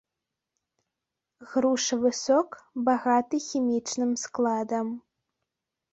Грушавы сок багаты хімічным складам.